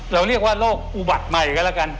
เราเรียกว่าโรคอุบัติใหม่ก็แล้วกัน